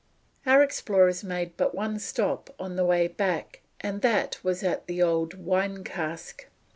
Our explorers made but one stop on the way back, and that was at the old wine cask.